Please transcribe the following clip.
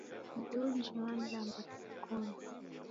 Malunji wanilambata mkonu